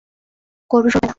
গরু সরবে না।